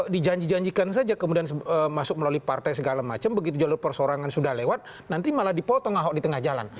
dijanji janjikan saja kemudian masuk melalui partai segala macam begitu jalur persorangan sudah lewat nanti malah dipotong ahok di tengah jalan